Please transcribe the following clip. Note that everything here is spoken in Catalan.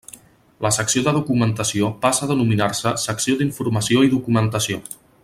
La Secció de Documentació passa a denominar-se Secció d'Informació i Documentació.